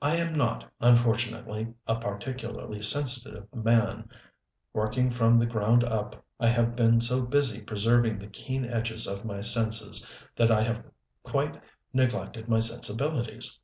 I am not, unfortunately, a particularly sensitive man. Working from the ground up, I have been so busy preserving the keen edges of my senses that I have quite neglected my sensibilities.